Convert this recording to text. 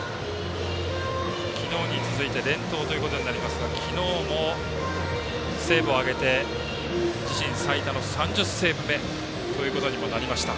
昨日に続いて連投ということになりますが昨日もセーブを挙げて自身最多の３０セーブ目ということにもなりました。